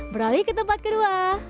beralih ke tempat kedua